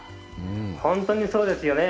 本当にそうですよね。